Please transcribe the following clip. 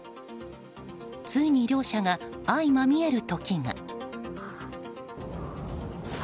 ついに両者が相まみえる時が。